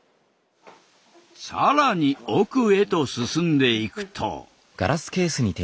更に奥へと進んでいくと。